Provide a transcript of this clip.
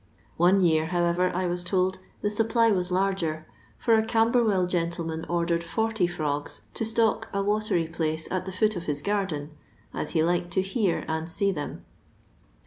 One year, howeyer, I was told, the supply { was larger, for a QunberweU gentleman ordered 40 , frogs to stock a watery pUice at the foot of his garden, as he liked to hear and see them.